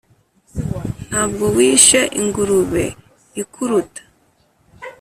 Nta bwo wishe ingurube ikuruta?